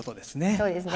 そうですね。